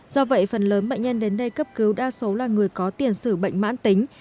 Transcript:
do vậy phần lớn bệnh nhân đến đây cấp cứu đa số là người có tiền sử bệnh mãn tính